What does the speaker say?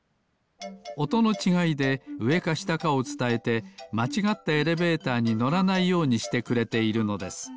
おとのちがいでうえかしたかをつたえてまちがったエレベーターにのらないようにしてくれているのです。